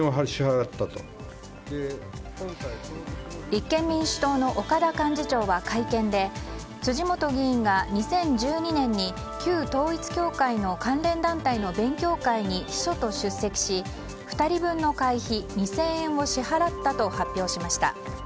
立憲民主党の岡田幹事長は会見で辻元議員が２０１２年に旧統一教会の関連団体の勉強会に秘書と出席し、２人分の会費２０００円を支払ったと発表しました。